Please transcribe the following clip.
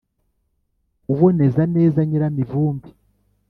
uboneza neza nyiramivumbi